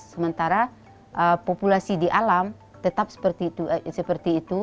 sementara populasi di alam tetap seperti itu